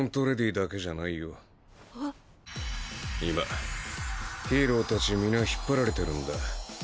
今ヒーロー達皆引っ張られてるんだ。